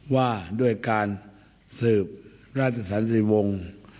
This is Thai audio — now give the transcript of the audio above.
ว่าด้วยการสืบราชสรรพ์สี่วงค์